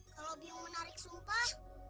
kalau bium menarik sumpah